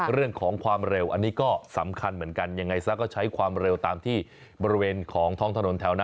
เรื่องของความเร็ว